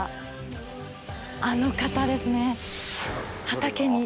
あの方ですね。